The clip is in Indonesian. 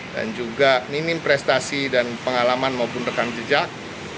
dan juga minim prestasi dan pengalaman maupun rekan jejak